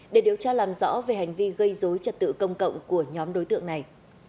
để điều tra làm rõ về hành vi gây dối trật tự công cộng của nhóm đối tượng này